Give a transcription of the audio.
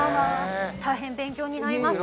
大変勉強になります。